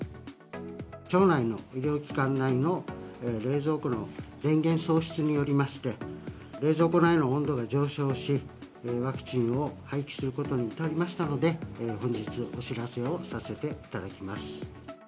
町内の医療機関内の冷蔵庫の電源喪失によりまして、冷蔵庫内の温度が上昇し、ワクチンを廃棄することに至りましたので、本日、お知らせをさせていただきます。